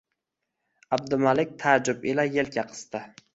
Abdumalik taajjub ila elka qisdi